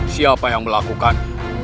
siapa yang melakukan